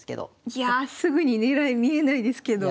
いやあすぐに狙い見えないですけど。